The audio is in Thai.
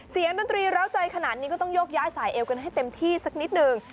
ดนตรีร้าวใจขนาดนี้ก็ต้องยกย้ายสายเอวกันให้เต็มที่สักนิดหนึ่ง